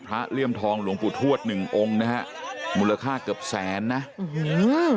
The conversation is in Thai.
เลี่ยมทองหลวงปู่ทวดหนึ่งองค์นะฮะมูลค่าเกือบแสนนะอื้อหือ